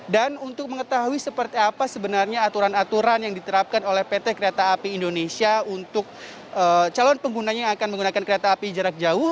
dan untuk mengetahui seperti apa sebenarnya aturan aturan yang diterapkan oleh pt kereta api indonesia untuk calon penggunanya yang akan menggunakan kereta api jarak jauh